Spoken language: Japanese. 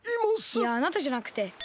いやあなたじゃなくて。